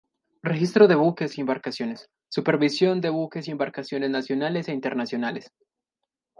Registro de buques y embarcaciones, supervisión de buques y embarcaciones nacionales e internacionales.